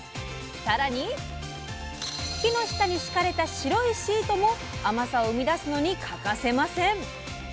さらに木の下に敷かれた白いシートも甘さを生み出すのに欠かせません。